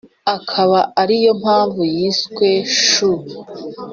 akaba ari yo mpamvu yiswe ‘ch’iu’